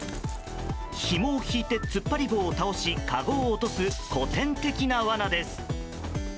ひもを引いて突っ張り棒を倒しかごを落とす古典的なわなです。